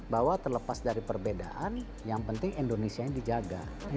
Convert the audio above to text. bahwa terlepas dari perbedaan yang penting indonesia ini dijaga